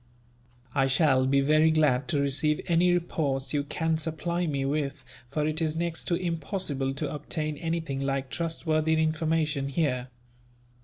"I shall be very glad to receive any reports you can supply me with, for it is next to impossible to obtain anything like trustworthy information here.